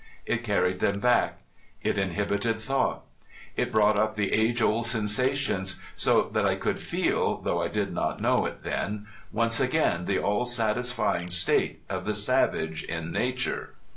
It carried them back. It inhibited thought. It brought up the age old sensations, so that I could feel, though I did not know it then, once again the all satisfying state of the savage in nature.